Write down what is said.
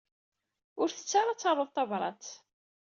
Ur tettu ara ad taruḍ tabrat.